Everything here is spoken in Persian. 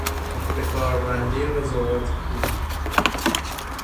به کاربندی قضاوت خوب